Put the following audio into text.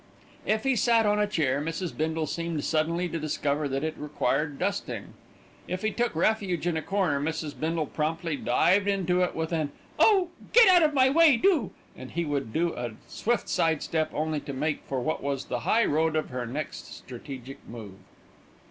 If he sat on a chair, Mrs. Bindle seemed suddenly to discover that it required dusting. If he took refuge in a corner, Mrs. Bindle promptly dived into it with an "Oh! get out of my way, do," and he would do a swift side step, only to make for what was the high road of her next strategic move.